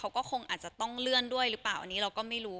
เขาก็คงอาจจะต้องเลื่อนด้วยหรือเปล่าอันนี้เราก็ไม่รู้